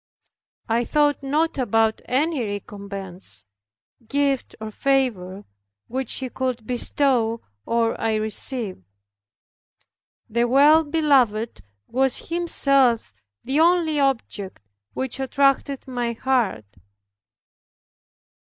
I thought not about any recompense, gift, or favor, which He could bestow or I receive. The Well beloved was Himself the only object which attracted my heart.